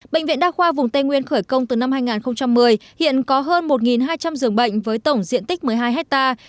bệnh viện đa khoa vùng tây nguyên khởi công từ năm hai nghìn một mươi hiện có hơn một hai trăm linh giường bệnh với tổng diện tích một mươi hai hectare